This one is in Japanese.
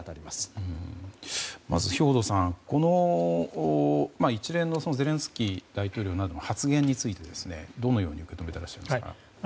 まず、兵頭さんこの一連のゼレンスキー大統領の発言について、どのように受け止めていらっしゃいますか。